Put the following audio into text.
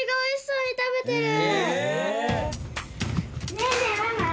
ねえねえママ！